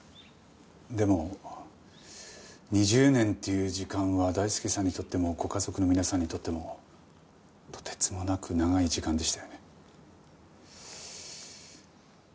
でも２０年っていう時間は大輔さんにとってもご家族の皆さんにとってもとてつもなく長い時間でしたよね。